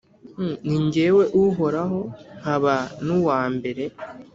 Ni jyewe Uhoraho, nkaba n’Uwa mbere,